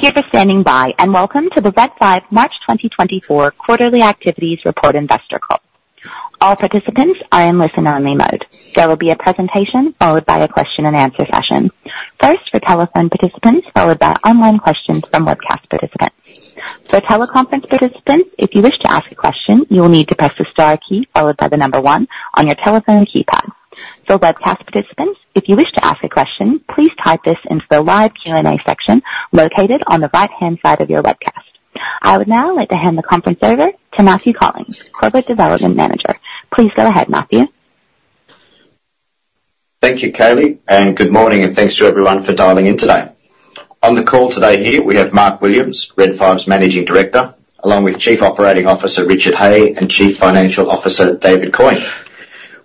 Thank you for standing by, and welcome to the Red 5 March 2024 Quarterly Activities Report Investor Call. All participants are in listen-only mode. There will be a presentation followed by a question-and-answer session. First, for telephone participants, followed by online questions from webcast participants. For teleconference participants, if you wish to ask a question, you will need to press the star key followed by the number one on your telephone keypad. For webcast participants, if you wish to ask a question, please type this into the live Q&A section located on the right-hand side of your webcast. I would now like to hand the conference over to Matthew Collings, Corporate Development Manager. Please go ahead, Matthew. Thank you, Kayleigh, and good morning, and thanks to everyone for dialing in today. On the call today here, we have Mark Williams, Red 5's Managing Director, along with Chief Operating Officer Richard Hay and Chief Financial Officer David Coyne.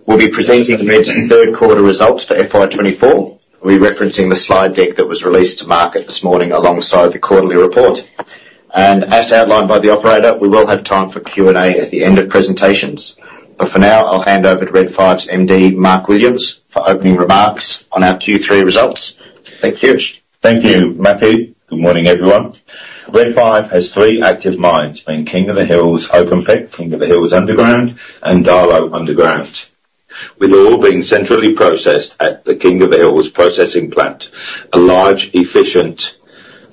We'll be presenting Red 5's Third Quarter Results for FY2024. We'll be referencing the slide deck that was released to market this morning alongside the quarterly report. As outlined by the operator, we will have time for Q&A at the end of presentations. For now, I'll hand over to Red 5's MD, Mark Williams, for opening remarks on our Q3 results. Thank you. Thank you, Matthew. Good morning, everyone. Red 5 has three active mines: being King of the Hills Open Pit, King of the Hills Underground, and Darlot Underground. With all being centrally processed at the King of the Hills Processing Plant, a large, efficient,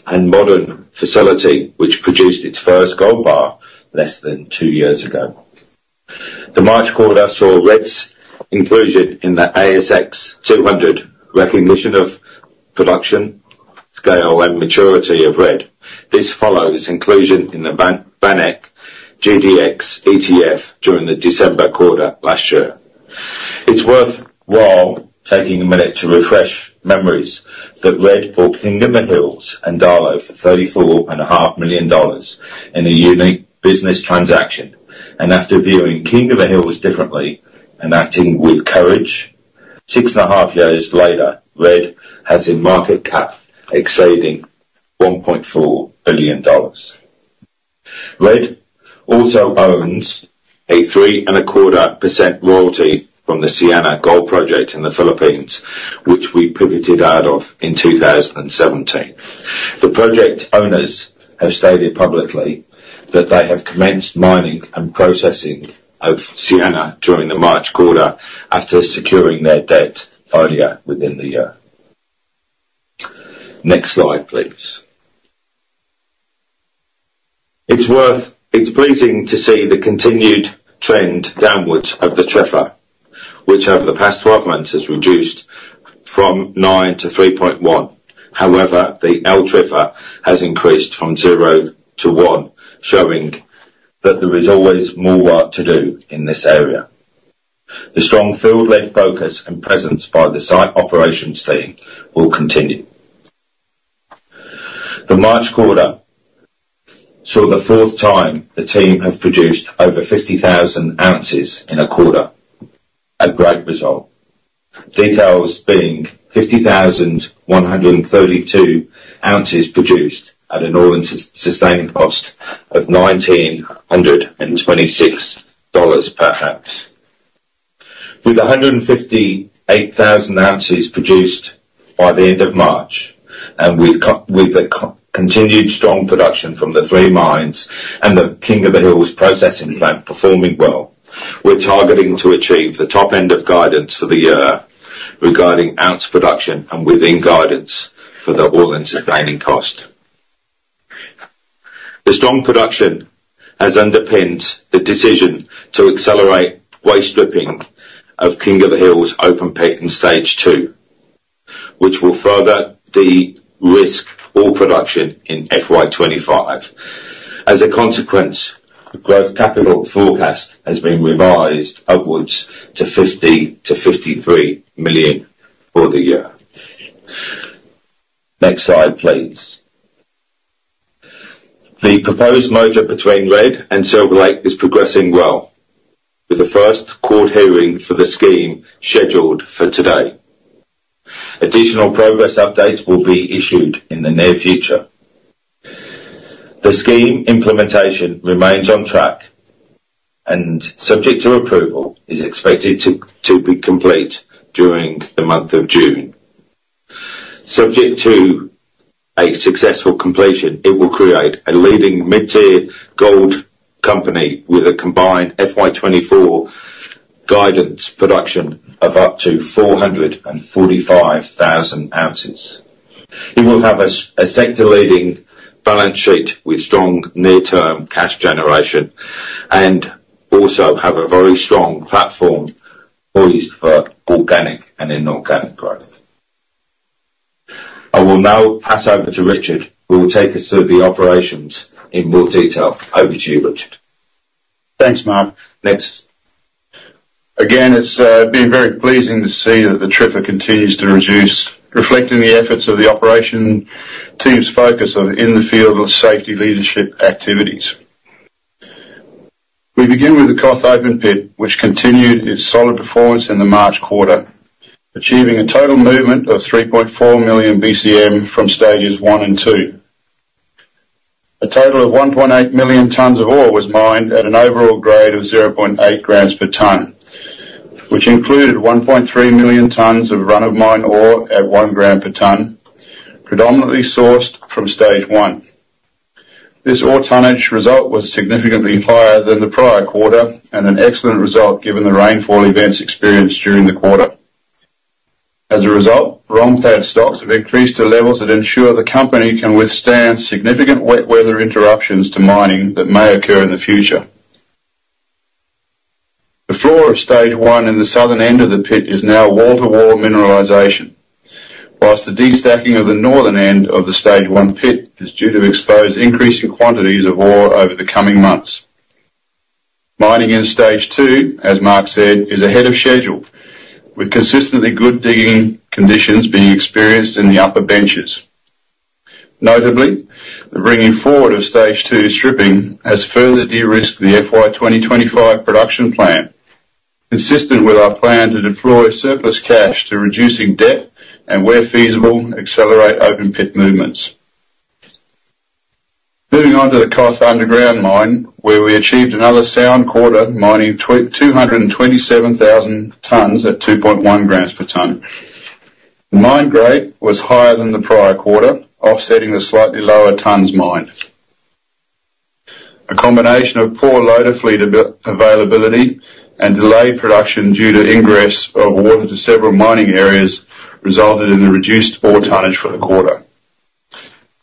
and modern facility which produced its first gold bar less than two years ago. The March quarter saw Red's inclusion in the ASX 200 recognition of production scale and maturity of Red. This follows inclusion in the VanEck GDX ETF during the December quarter last year. It's worthwhile taking a minute to refresh memories that Red bought King of the Hills and Darlot for 34.5 million dollars in a unique business transaction. After viewing King of the Hills differently and acting with courage, 6.5 years later, Red has a market cap exceeding AUD 1.4 billion. Red also owns a 3.25% royalty from the Siana Gold Project in the Philippines, which we pivoted out of in 2017. The project owners have stated publicly that they have commenced mining and processing of Siana during the March quarter after securing their debt earlier within the year. Next slide, please. It's pleasing to see the continued trend downwards of the TRIFR, which over the past 12 months has reduced from 9 to 3.1. However, the LTIFR has increased from 0 to 1, showing that there is always more work to do in this area. The strong field-led focus and presence by the site operations team will continue. The March quarter saw the fourth time the team have produced over 50,000 ounces in a quarter, a great result, details being 50,132 ounces produced at an all-in sustaining cost of AUD 1,926 per ounce. With 158,000 ounces produced by the end of March and with the continued strong production from the three mines and the King of the Hills Processing Plant performing well, we're targeting to achieve the top-end of guidance for the year regarding ounce production and within guidance for the all-in sustaining cost. The strong production has underpinned the decision to accelerate waste stripping of King of the Hills Open Pit in stage two, which will further de-risk all production in FY25. As a consequence, the growth capital forecast has been revised upwards to 50 million to 53 million for the year. Next slide, please. The proposed merger between Red and Silver Lake is progressing well, with the first court hearing for the scheme scheduled for today. Additional progress updates will be issued in the near future. The scheme implementation remains on track, and subject to approval, is expected to be complete during the month of June. Subject to a successful completion, it will create a leading mid-tier gold company with a combined FY2024 guidance production of up to 445,000 ounces. It will have a sector-leading balance sheet with strong near-term cash generation and also have a very strong platform poised for organic and inorganic growth. I will now pass over to Richard, who will take us through the operations in more detail. Over to you, Richard. Thanks, Mark. Again, it's been very pleasing to see that the TRIFR continues to reduce, reflecting the efforts of the operations team's focus on in-the-field safety leadership activities. We begin with the KOTH open pit, which continued its solid performance in the March quarter, achieving a total movement of 3.4 million BCM from stages one and two. A total of 1.8 million tons of ore was mined at an overall grade of 0.8 grams per ton, which included 1.3 million tons of run-of-mine ore at 1 gram per ton, predominantly sourced from stage one. This ore tonnage result was significantly higher than the prior quarter and an excellent result given the rainfall events experienced during the quarter. As a result, ROM pad stocks have increased to levels that ensure the company can withstand significant wet weather interruptions to mining that may occur in the future. The floor of stage one in the southern end of the pit is now wall-to-wall mineralization, while the destacking of the northern end of the stage one pit is due to expose increasing quantities of ore over the coming months. Mining in stage two, as Mark said, is ahead of schedule, with consistently good digging conditions being experienced in the upper benches. Notably, the bringing forward of stage two stripping has further de-risked the FY2025 production plan, consistent with our plan to deploy surplus cash to reducing debt and, where feasible, accelerate open pit movements. Moving on to the cost underground mine, where we achieved another sound quarter mining 227,000 tons at 2.1 grams per ton. The mine grade was higher than the prior quarter, offsetting the slightly lower tons mined. A combination of poor loader fleet availability and delayed production due to ingress of water to several mining areas resulted in the reduced ore tonnage for the quarter.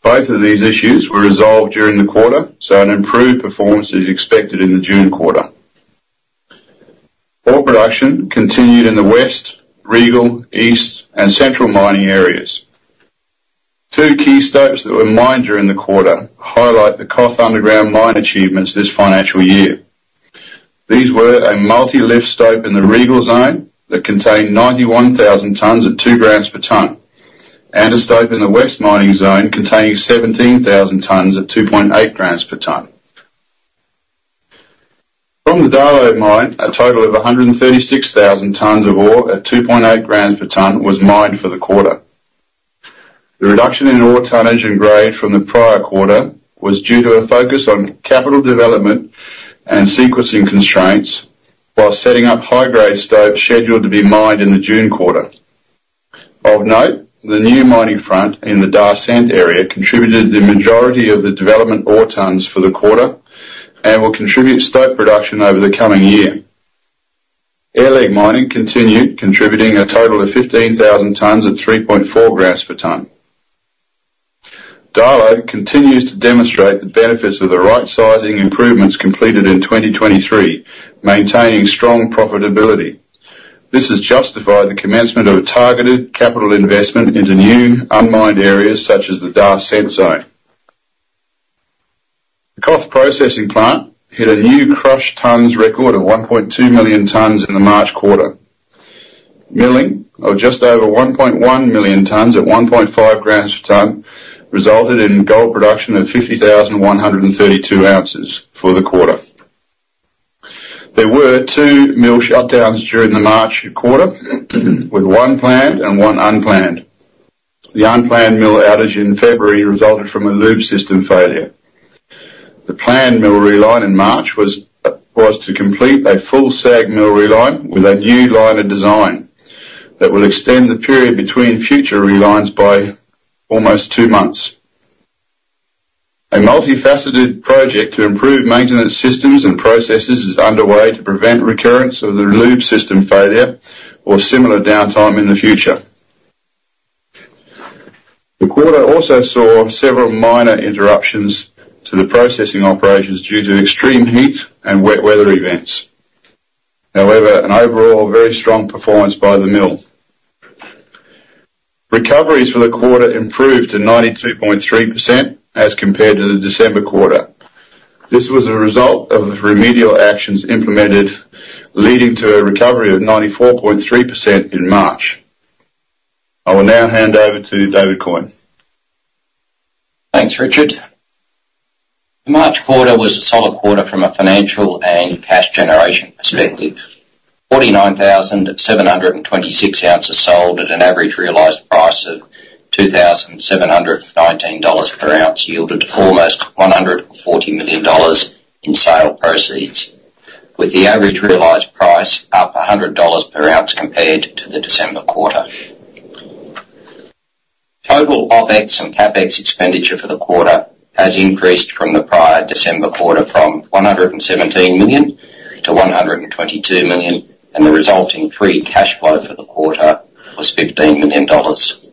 Both of these issues were resolved during the quarter, so an improved performance is expected in the June quarter. Ore production continued in the West, Regal, East, and Central mining areas. Two key stopes that were mined during the quarter highlight the KOTH underground mine achievements this financial year. These were a multi-lift stope in the Regal zone that contained 91,000 tonnes at 2 grams per tonne and a stope in the West mining zone containing 17,000 tonnes at 2.8 grams per tonne. From the Darlot mine, a total of 136,000 tonnes of ore at 2.8 grams per tonne was mined for the quarter. The reduction in ore tonnage and grade from the prior quarter was due to a focus on capital development and sequencing constraints while setting up high-grade stopes scheduled to be mined in the June quarter. Of note, the new mining front in the Darlot area contributed the majority of the development ore tonnes for the quarter and will contribute stope production over the coming year. Air leg mining continued, contributing a total of 15,000 tonnes at 3.4 grams per tonne. Darlot continues to demonstrate the benefits of the right-sizing improvements completed in 2023, maintaining strong profitability. This has justified the commencement of a targeted capital investment into new unmined areas such as the Darlot zone. The KOTH processing plant hit a new crushed tonnes record of 1.2 million tonnes in the March quarter. Milling of just over 1.1 million tonnes at 1.5 grams per tonne resulted in gold production of 50,132 ounces for the quarter. There were two mill shutdowns during the March quarter, with one planned and one unplanned. The unplanned mill outage in February resulted from a lube system failure. The planned mill reline in March was to complete a full SAG mill reline with a new liner design that will extend the period between future relines by almost two months. A multifaceted project to improve maintenance systems and processes is underway to prevent recurrence of the lube system failure or similar downtime in the future. The quarter also saw several minor interruptions to the processing operations due to extreme heat and wet weather events. However, an overall very strong performance by the mill. Recoveries for the quarter improved to 92.3% as compared to the December quarter. This was a result of remedial actions implemented, leading to a recovery of 94.3% in March. I will now hand over to David Coyne. Thanks, Richard. The March quarter was a solid quarter from a financial and cash generation perspective. 49,726 ounces sold at an average realized price of 2,719 dollars per ounce yielded almost 140 million dollars in sale proceeds, with the average realized price up 100 dollars per ounce compared to the December quarter. Total OpEx and CapEx expenditure for the quarter has increased from the prior December quarter from 117 million to 122 million, and the resulting free cash flow for the quarter was 15 million dollars.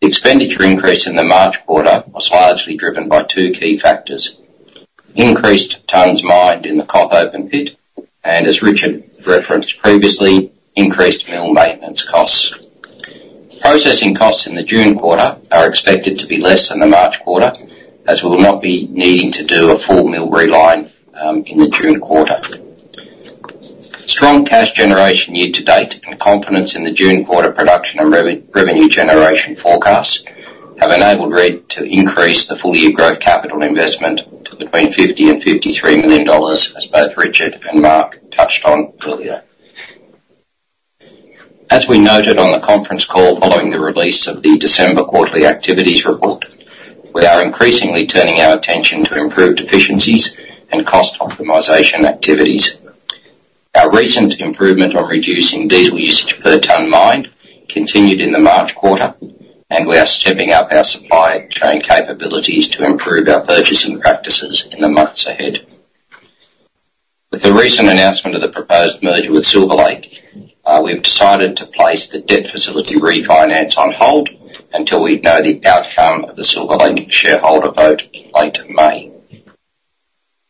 The expenditure increase in the March quarter was largely driven by two key factors: increased tonnes mined in the cost open pit and, as Richard referenced previously, increased mill maintenance costs. Processing costs in the June quarter are expected to be less than the March quarter, as we will not be needing to do a full mill reline in the June quarter. Strong cash generation year-to-date and confidence in the June quarter production and revenue generation forecast have enabled Red to increase the full-year growth capital investment to between 50 million and 53 million dollars, as both Richard and Mark touched on earlier. As we noted on the conference call following the release of the December quarterly activities report, we are increasingly turning our attention to improved efficiencies and cost optimization activities. Our recent improvement on reducing diesel usage per tonne mined continued in the March quarter, and we are stepping up our supply chain capabilities to improve our purchasing practices in the months ahead. With the recent announcement of the proposed merger with Silver Lake, we've decided to place the debt facility refinance on hold until we know the outcome of the Silver Lake shareholder vote in late May.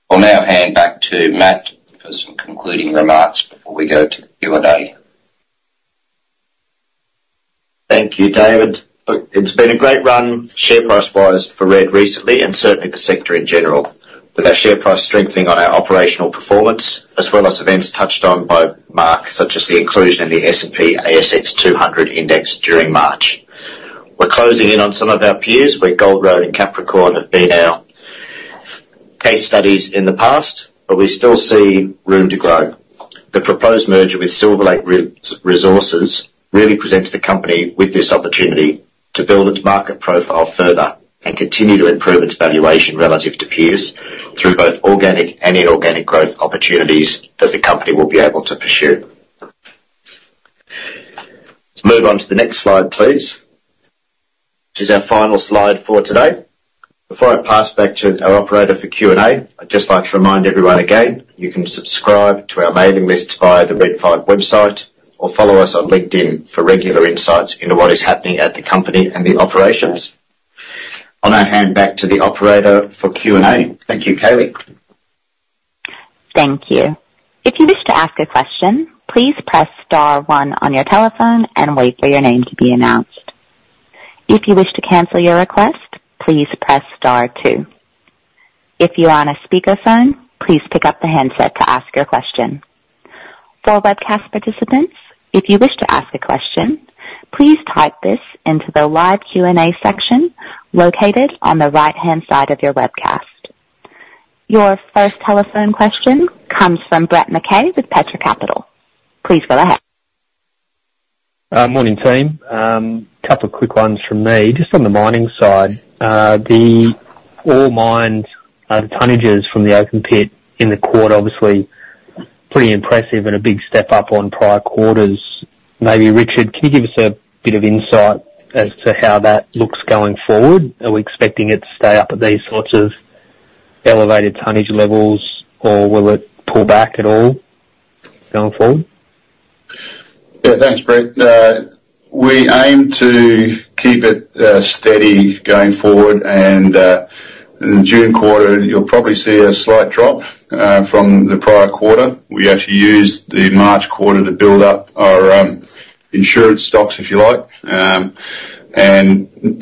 I'll now hand back to Matt for some concluding remarks before we go to Q&A. Thank you, David. It's been a great run share price-wise for Red recently and certainly the sector in general, with our share price strengthening on our operational performance as well as events touched on by Mark, such as the inclusion in the S&P/ASX 200 index during March. We're closing in on some of our peers, where Gold Road and Capricorn have been our case studies in the past, but we still see room to grow. The proposed merger with Silver Lake Resources really presents the company with this opportunity to build its market profile further and continue to improve its valuation relative to peers through both organic and inorganic growth opportunities that the company will be able to pursue. Let's move on to the next slide, please, which is our final slide for today. Before I pass back to our operator for Q&A, I'd just like to remind everyone again, you can subscribe to our mailing lists via the Red 5 website or follow us on LinkedIn for regular insights into what is happening at the company and the operations. I'll now hand back to the operator for Q&A. Thank you, Kayleigh. Thank you. If you wish to ask a question, please press star one on your telephone and wait for your name to be announced. If you wish to cancel your request, please press star two. If you're on a speakerphone, please pick up the handset to ask your question. For webcast participants, if you wish to ask a question, please type this into the live Q&A section located on the right-hand side of your webcast. Your first telephone question comes from Brett McKay with Petra Capital. Please go ahead. Morning, team. Couple of quick ones from me. Just on the mining side, the ore mined, the tonnages from the open pit in the quarter, obviously, pretty impressive and a big step up on prior quarters. Maybe Richard, can you give us a bit of insight as to how that looks going forward? Are we expecting it to stay up at these sorts of elevated tonnage levels, or will it pull back at all going forward? Yeah, thanks, Brett. We aim to keep it steady going forward, and in June quarter, you'll probably see a slight drop from the prior quarter. We actually used the March quarter to build up our insurance stocks, if you like. And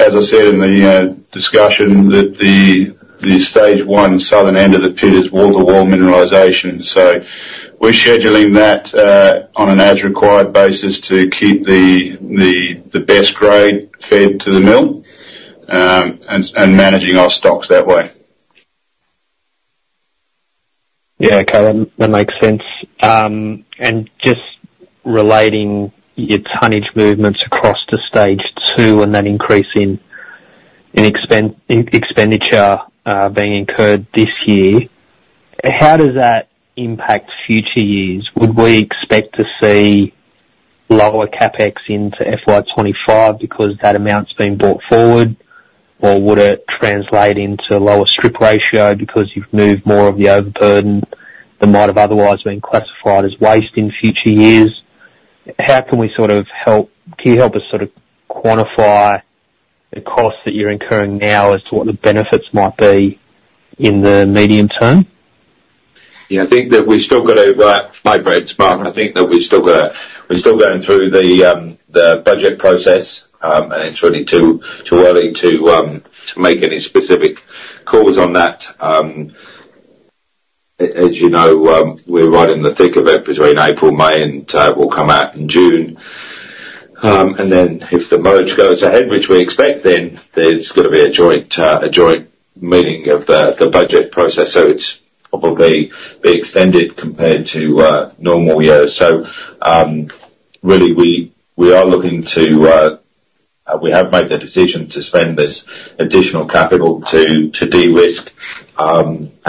as I said in the discussion, the stage one southern end of the pit is wall-to-wall mineralization. So we're scheduling that on an as-required basis to keep the best grade fed to the mill and managing our stocks that way. Yeah, cool, um, that makes sense. Just relating your tonnage movements across to stage two and that increase in expenditure being incurred this year, how does that impact future years? Would we expect to see lower CapEx into FY 2025 because that amount's been brought forward, or would it translate into a lower strip ratio because you've moved more of the overburden that might have otherwise been classified as waste in future years? How can you help us sort of quantify the costs that you're incurring now as to what the benefits might be in the medium term? Yeah, I think that we've still got to – Hi Brett it's Mark. I think that we're still going through the budget process, and it's really too early to make any specific calls on that. As you know, we're right in the thick of it between April, May, and will come out in June. And then if the merge goes ahead, which we expect then, there's going to be a joint meeting of the budget process. So it's probably be extended compared to normal years. So really, we have made the decision to spend this additional capital to de-risk and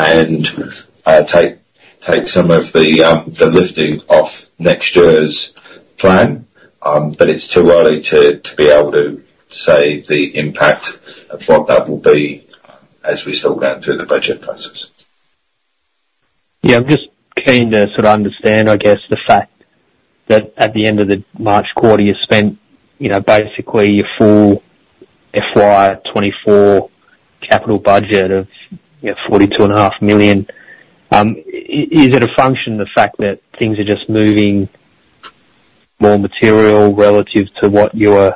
take some of the lifting off next year's plan, but it's too early to be able to say the impact of what that will be as we're still going through the budget process. Yeah, I'm just keen to sort of understand, I guess, the fact that at the end of the March quarter, you spent basically your full FY2024 capital budget of 42.5 million. Is it a function, the fact that things are just moving more material relative to what you were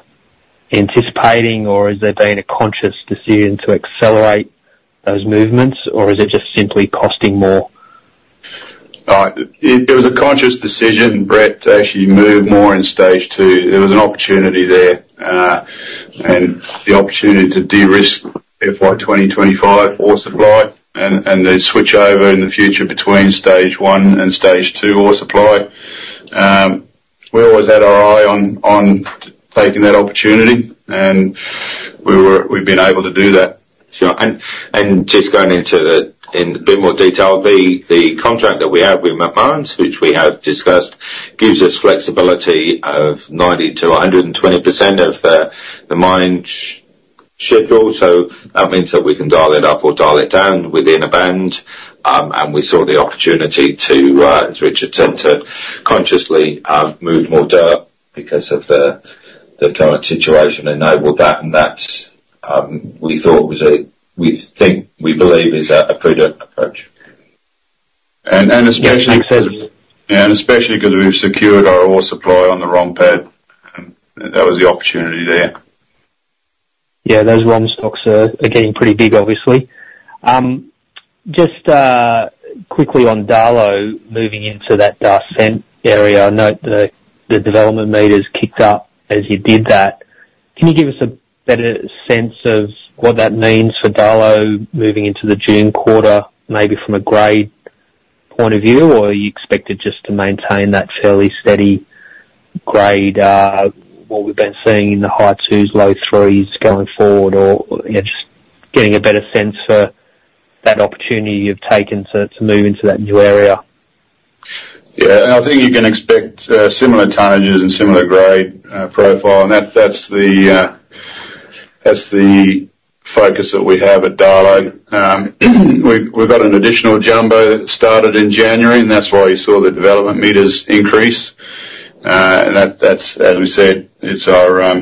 anticipating, or has there been a conscious decision to accelerate those movements, or is it just simply costing more? It was a conscious decision, Brett, to actually move more in stage two. There was an opportunity there, and the opportunity to de-risk FY2025 ore supply and then switch over in the future between stage one and stage two ore supply. We always had our eye on taking that opportunity, and we've been able to do that. Sure. And just going into a bit more detail, the contract that we have with Macmahon, which we have discussed, gives us flexibility of 90% to 120% of the mine schedule. So that means that we can dial it up or dial it down within a band. And we saw the opportunity to, as Richard said, to consciously move more dirt because of the current situation and enable that. And that's we thought was a we think we believe is a prudent approach. And especially. Yeah, makes sense. Yeah, and especially because we've secured our ore supply on the ROM pad. That was the opportunity there. Yeah, those WA stocks are getting pretty big, obviously. Just quickly on Darlot, moving into that Darlot area, I note the development meters kicked up as you did that. Can you give us a better sense of what that means for Darlot moving into the June quarter, maybe from a grade point of view, or are you expected just to maintain that fairly steady grade, what we've been seeing in the high twos, low threes going forward, or just getting a better sense for that opportunity you've taken to move into that new area? Yeah, and I think you can expect similar tonnages and similar grade profile, and that's the focus that we have at Darlot. We've got an additional jumbo that started in January, and that's why you saw the development meters increase. And that's, as we said, it's our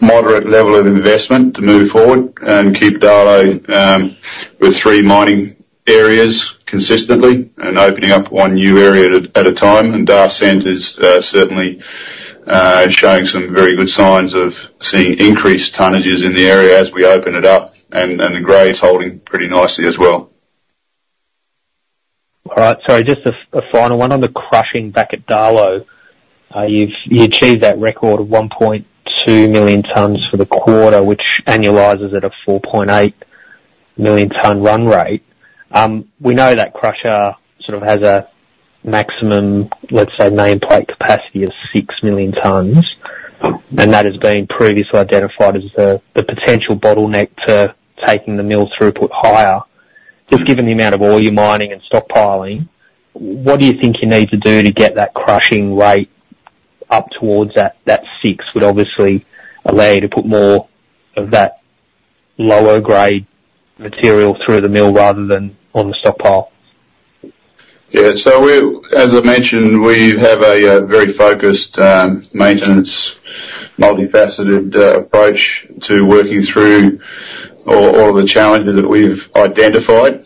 moderate level of investment to move forward and keep Darlot with three mining areas consistently and opening up one new area at a time. And Darlot is certainly showing some very good signs of seeing increased tonnages in the area as we open it up, and the grade's holding pretty nicely as well. All right. Sorry, just a final one on the crushing back at Darlot. You achieved that record of 1.2 million tonnes for the quarter, which annualizes at a 4.8 million tonne run rate. We know that crusher sort of has a maximum, let's say, nameplate capacity of 6 million tonnes, and that has been previously identified as the potential bottleneck to taking the mill throughput higher. Just given the amount of ore you're mining and stockpiling, what do you think you need to do to get that crushing rate up towards that 6 would obviously allow you to put more of that lower-grade material through the mill rather than on the stockpile? Yeah, so as I mentioned, we have a very focused maintenance, multifaceted approach to working through all of the challenges that we've identified.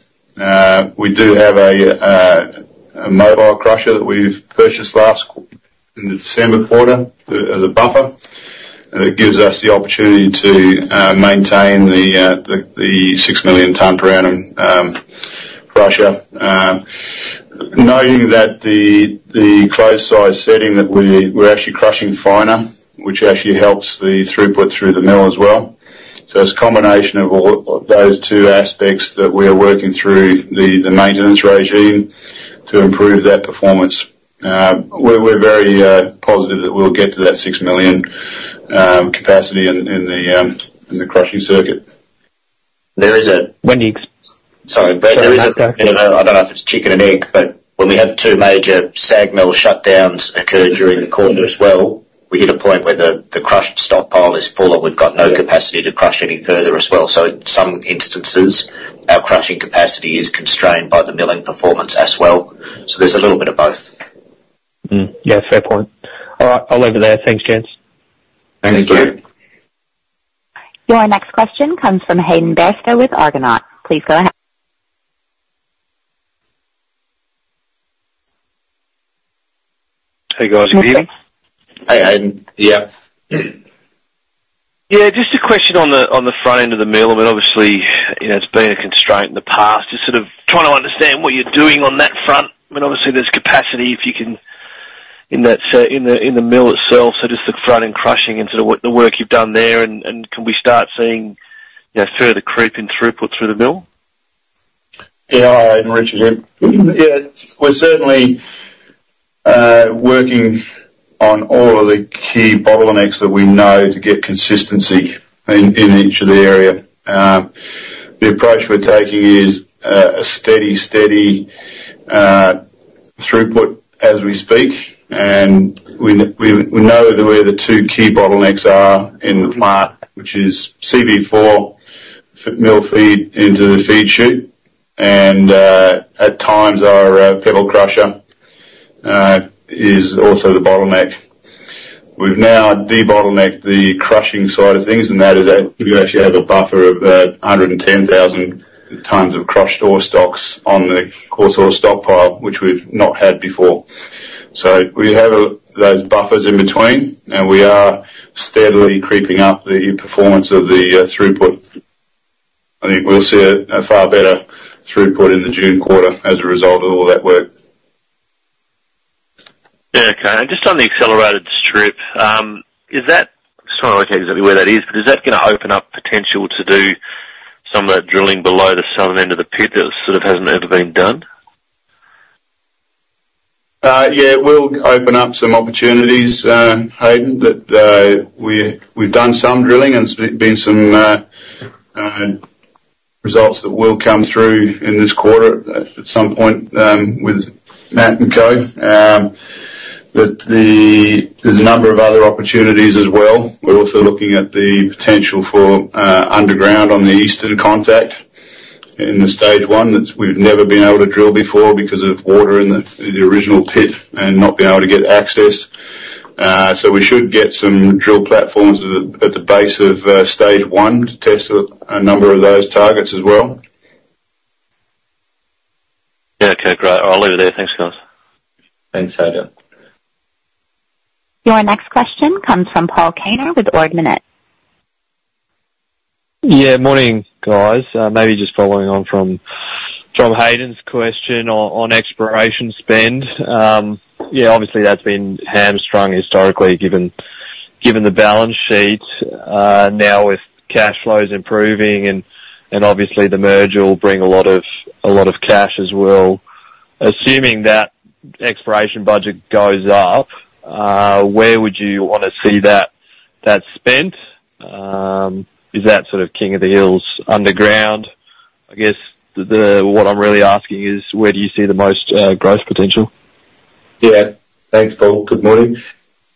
We do have a mobile crusher that we've purchased last in the December quarter as a buffer, and it gives us the opportunity to maintain the 6 million tonne per annum crusher. Noting that the closed-size setting that we're actually crushing finer, which actually helps the throughput through the mill as well. So it's a combination of those two aspects that we are working through the maintenance regime to improve that performance. We're very positive that we'll get to that 6 million capacity in the crushing circuit. There is a. When do you? Sorry, Brett, there is a. No, no, no. I don't know if it's chicken and egg, but when we have two major SAG Mill shutdowns occur during the quarter as well, we hit a point where the crushed stockpile is full and we've got no capacity to crush any further as well. So in some instances, our crushing capacity is constrained by the milling performance as well. So there's a little bit of both. Yeah, fair point. All right, I'll leave it there. Thanks, gents. Thank you. Your next question comes from Hayden Bairstow with Argonaut. Please go ahead. Hey, guys. You can hear me? Hey, Hayden. Yeah. Yeah, just a question on the front end of the mill. I mean, obviously, it's been a constraint in the past. Just sort of trying to understand what you're doing on that front. I mean, obviously, there's capacity if you can in the mill itself, so just the front end crushing and sort of the work you've done there, and can we start seeing further creep in throughput through the mill? Yeah, I am Richard here. Yeah, we're certainly working on all of the key bottlenecks that we know to get consistency in each of the area. The approach we're taking is a steady, steady throughput as we speak, and we know where the two key bottlenecks are in the plant, which is CV4 mill feed into the feed chute, and at times, our pebble crusher is also the bottleneck. We've now debottlenecked the crushing side of things, and that is that we actually have a buffer of 110,000 tonnes of crushed ore stocks on the coarse ore stockpile, which we've not had before. So we have those buffers in between, and we are steadily creeping up the performance of the throughput. I think we'll see a far better throughput in the June quarter as a result of all that work. Yeah, can I just on the accelerated strip, is that I'm just trying to locate exactly where that is, but is that going to open up potential to do some of that drilling below the southern end of the pit that sort of hasn't ever been done? Yeah, it will open up some opportunities, Hayden, that we've done some drilling, and there's been some results that will come through in this quarter at some point with Matt and Co. There's a number of other opportunities as well. We're also looking at the potential for underground on the eastern contact in the stage one that we've never been able to drill before because of water in the original pit and not being able to get access. So we should get some drill platforms at the base of stage one to test a number of those targets as well. Yeah, okay, great. I'll leave it there. Thanks, guys. Thanks, Hayden. Your next question comes from Paul Kaner with Ord Minnett. Yeah, morning, guys. Maybe just following on from Hayden Bairstow's question on exploration spend. Yeah, obviously, that's been hamstrung historically given the balance sheet. Now, with cash flows improving and obviously, the merger will bring a lot of cash as well. Assuming that exploration budget goes up, where would you want to see that spent? Is that sort of King of the Hills underground? I guess what I'm really asking is, where do you see the most growth potential? Yeah, thanks, Paul. Good morning.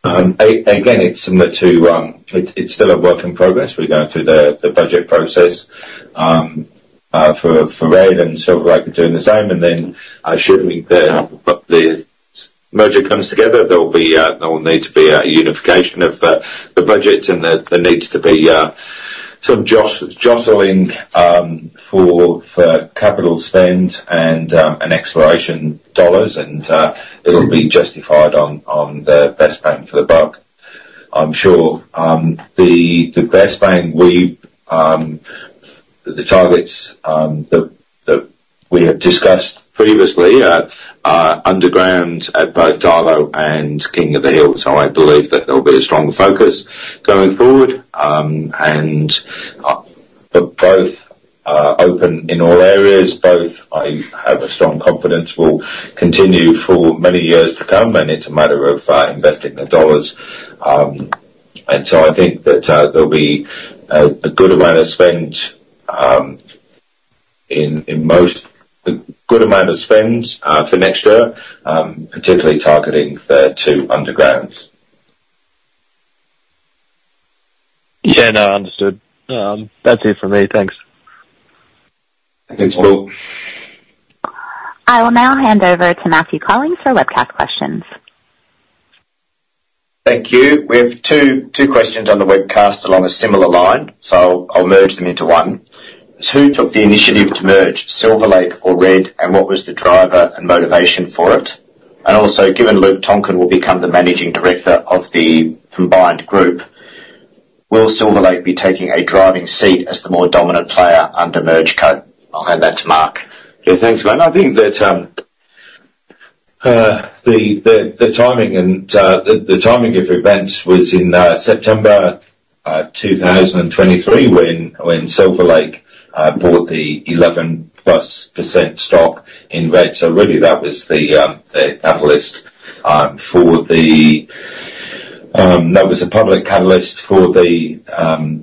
Again, it's similar to it's still a work in progress. We're going through the budget process for Red 5 and Silver Lake are doing the same. And then assuming that the merger comes together, there will need to be a unification of the budget, and there needs to be some jostling for capital spend and exploration dollars, and it'll be justified on the best bang for the buck, I'm sure. The best bang we the targets that we have discussed previously are underground at both Darlot and King of the Hills. So I believe that there'll be a strong focus going forward, and both open in all areas. Both, I have a strong confidence, will continue for many years to come, and it's a matter of investing the dollars. I think that there'll be a good amount of spend for next year, particularly targeting the two undergrounds. Yeah, no, understood. That's it for me. Thanks. Thanks, Paul. I will now hand over to Matthew Collings for webcast questions. Thank you. We have two questions on the webcast along a similar line, so I'll merge them into one. Who took the initiative to merge Silver Lake or Red, and what was the driver and motivation for it? And also, given Luke Tonkin will become the managing director of the combined group, will Silver Lake be taking a driving seat as the more dominant player post-merger? I'll hand that to Mark. Yeah, thanks and I think that the timing of events was in September 2023 when Silver Lake bought the 11+% stock in Red. So really, that was the catalyst for the that was a public catalyst for the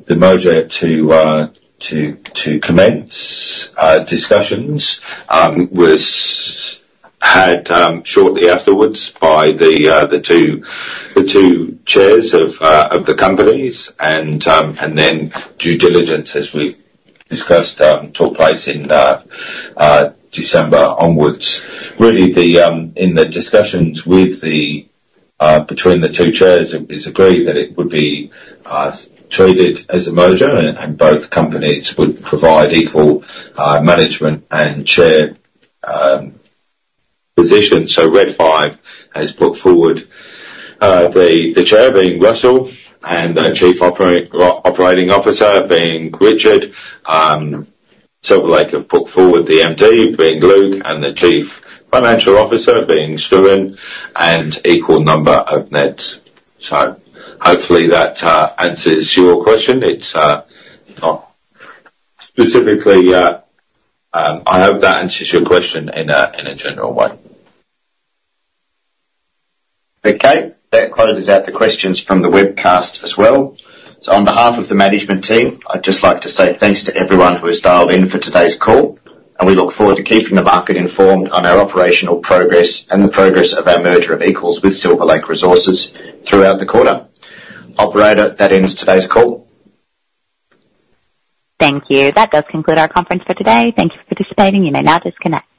merger to commence discussions, was had shortly afterwards by the two chairs of the companies, and then due diligence, as we've discussed, took place in December onwards. Really, in the discussions between the two chairs, it was agreed that it would be treated as a merger, and both companies would provide equal management and chair positions. So Red 5 has put forward the chair being Russell and the Chief Operating Officer being Richard. Silver Lake have put forward the MD being Luke and the Chief Financial Officer being Struan, and equal number of NEDs. So hopefully, that answers your question. It's not specifically. I hope that answers your question in a general way. Okay, that closes out the questions from the webcast as well. On behalf of the management team, I'd just like to say thanks to everyone who has dialed in for today's call, and we look forward to keeping the market informed on our operational progress and the progress of our merger of equals with Silver Lake Resources throughout the quarter. Operator, that ends today's call. Thank you. That does conclude our conference for today. Thank you for participating. You may now disconnect.